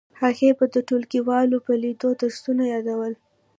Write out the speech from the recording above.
هغې به د ټولګیوالو په لیدو درسونه یادول